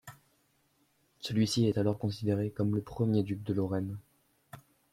Celui-ci est alors considéré comme le premier duc de Lorraine.